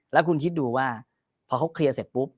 แล้วคุณคิดดูว่าพอเขาเคลียร์เสร็จปุ๊บ